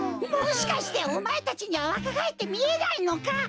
もしかしておまえたちにはわかがえってみえないのか？